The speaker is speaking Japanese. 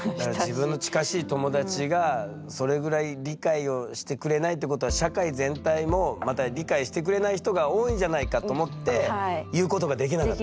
自分の近しい友達がそれぐらい理解をしてくれないってことは社会全体もまだ理解してくれない人が多いんじゃないかと思って言うことができなかった。